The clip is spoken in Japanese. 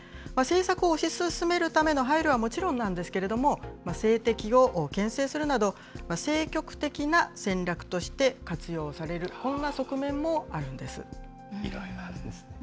政策を押し進めるための配慮はもちろんなんですけれども、政敵をけん制するなど、政局的な戦略として活用される、こんな側面もあいろいろあるんですね。